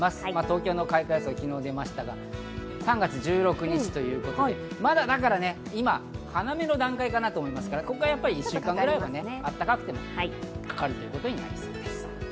東京の開花予想、昨日出ましたが３月１６日、まだ、だから、今、花芽の段階かなと思うので、ここから１週間ぐらいは暖かくてもかかるということになりそうです。